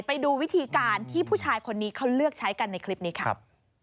ไปดูวิธีการที่ผู้ชายคนนี้เขาเลือกใช้กันในคลิปนี้ค่ะ